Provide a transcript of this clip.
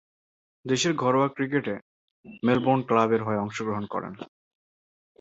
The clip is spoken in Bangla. দেশের ঘরোয়া ক্রিকেটে মেলবোর্ন ক্লাবের হয়ে অংশগ্রহণ করেন।